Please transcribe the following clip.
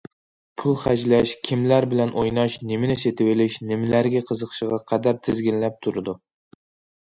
پۇل خەجلەش، كىملەر بىلەن ئويناش، نېمىنى سېتىۋېلىش، نېمىلەرگە قىزىقىشىغا قەدەر تىزگىنلەپ تۇرىدۇ.